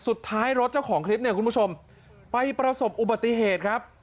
รถเจ้าของคลิปเนี่ยคุณผู้ชมไปประสบอุบัติเหตุครับ